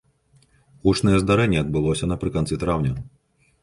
Гучнае здарэнне адбылося напрыканцы траўня.